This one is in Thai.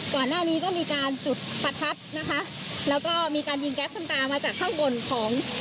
ก่อนหน้านี้ก็มีการจุดประทัดนะคะแล้วก็มีการยิงแก๊สน้ำตามาจากข้างบนของ